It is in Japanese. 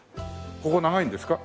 ここ長いんですか？